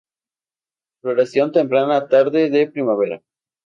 Floración temprana tarde de primavera.